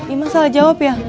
iman salah jawab ya